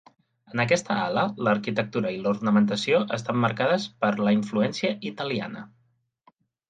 En aquesta ala, l'arquitectura i l'ornamentació estan marcades per la influència italiana.